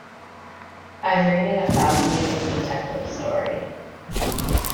I'm reading a fascinating detective story.